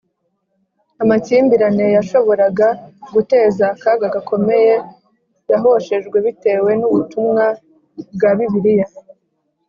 Amakimbirane yashoboraga guteza akaga gakomeye yahoshejwe bitewe n ubutumwa bwa bibiliya